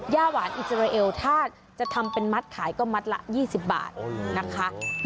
ย่าหวานอิสราเอลถ้าจะทำเป็นมัดขายก็มัดละ๒๐บาทนะคะ